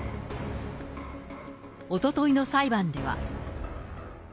おとといの裁判では。